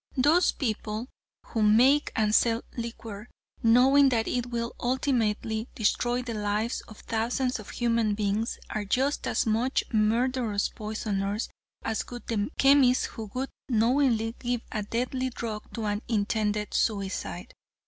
Those people who make and sell liquor, knowing that it will ultimately destroy the lives of thousands of human beings, are just as much murderous poisoners as would be the chemist who would knowingly give a deadly drug to an intended suicide."